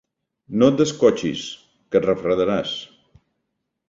No et descotxis, que et refredaràs.